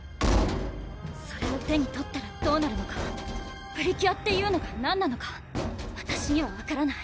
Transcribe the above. ・・それを手に取ったらどうなるのかプリキュアっていうのが何なのかわたしには分からない